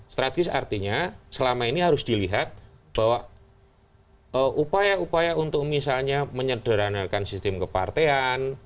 strategis artinya selama ini harus dilihat bahwa upaya upaya untuk misalnya menyederhanakan sistem kepartean